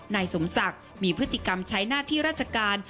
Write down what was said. นายสมศักดิ์มีพฤติกรรมใช้หน้าที่ราชการ